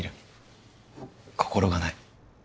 心がない。